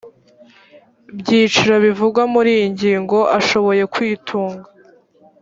byiciro bivugwa muri iyi ngingo ashoboye kwitunga